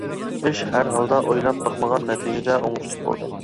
ئىش ھەر ھالدا ئويلاپ باقمىغان نەتىجىدە ئوڭۇشلۇق بولدى.